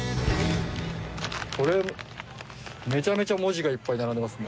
これめちゃめちゃ文字がいっぱい並んでますね。